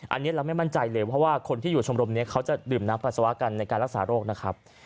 อันนี้เราไม่มั่นใจเลยเพราะว่าคนที่อยู่ชมรมนี้เขาจะดื่มน้ำปัสสาวะกันในการรักษาโรคนะครับ